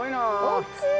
大きい。